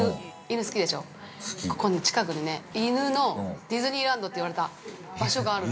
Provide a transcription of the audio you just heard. ◆ここ、近くにね犬のディズニーランドといわれた場所があるの。